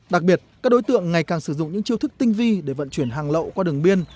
đặc biệt các đối tượng ngày càng sử dụng những chiêu thức tinh vi để vận chuyển hàng lậu qua đường biên